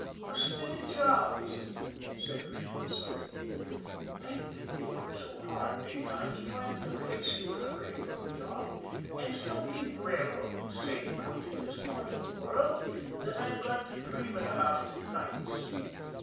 "A steady job, is it?" said Regan softly. "I've been thinking so hard daytimes trying to place you in a railroad job and still keep railroading safe out in this part of the world that I've got to dreaming about it at nights.